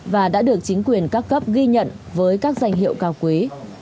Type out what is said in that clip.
và đã được chính quyền các cấp ghi nhận với các danh hiệu cao quý